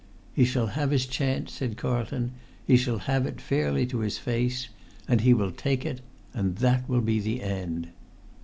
"He shall have his chance," said Carlton; "he shall have it fairly to his face. And he will take it—and that will be the end!"